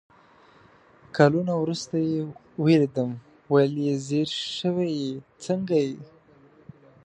کالونه ورورسته يې ويلدم ول يې ځير شوي يې ، څنګه يې ؟